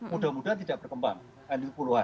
sudah mudah tidak berkembang